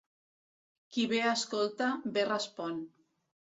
Qui bé escolta, bé respon.